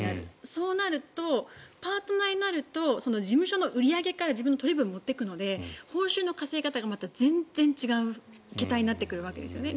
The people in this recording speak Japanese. そうなるとパートナーになると事務所の売り上げから自分の取り分を持っていくので報酬の稼ぎ方が全然違う桁になってくるわけですね。